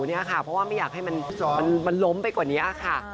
เพราะว่าไม่อยากให้มันล้มไปกว่านี้ค่ะ